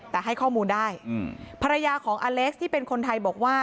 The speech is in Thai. แต่ให้ข้อมูลได้ภรรยาของอเล็กซ์ที่เป็นคนไทยบอกว่า